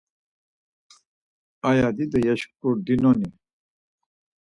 Aya dido yeşkurdinoni.